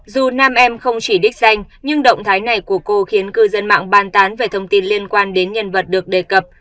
dù nam em không chỉ đích danh nhưng động thái này của cô khiến cư dân mạng ban tán về thông tin liên quan đến nhân vật được đề cập